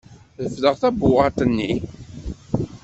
Refdeɣ tabewwaḍt-nni.